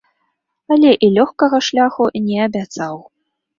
Але і лёгкага шляху не абяцаў.